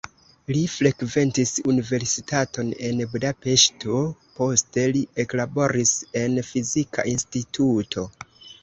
Li frekventis universitaton en Budapeŝto, poste li eklaboris en fizika instituto.